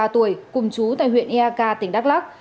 ba mươi tuổi cùng chú tại huyện eak tỉnh đắk lắc